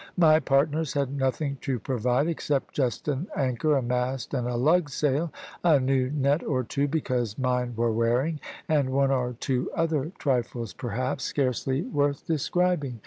My partners had nothing to provide, except just an anchor, a mast, and a lug sail, a new net or two, because mine were wearing, and one or two other trifles perhaps, scarcely worth describing.